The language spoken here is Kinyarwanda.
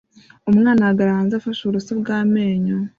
Umwana ahagarara hanze afashe uburoso bw'amenyo